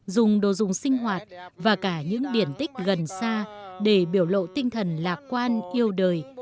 dùng đồ dùng sinh hoạt và cả những điển tích gần xa để biểu lộ tinh thần lạc quan yêu đời